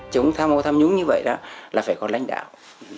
chúng tham ô tham nhũng như vậy là phải có lãnh đạo